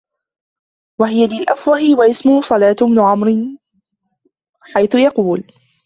وَهِيَ لِلْأَفْوَهِ وَاسْمُهُ صَلَاءَةُ بْنُ عَمْرٍو حَيْثُ يَقُولُ